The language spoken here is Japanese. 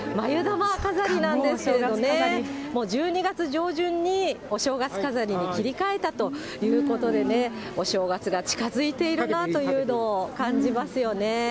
ま飾りなんですけれどもね、もう１２月上旬にお正月飾りに切り替えたということでね、お正月が近づいているなというのを感じますよね。